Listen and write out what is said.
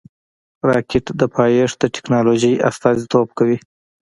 راکټ د پایښت د ټېکنالوژۍ استازیتوب کوي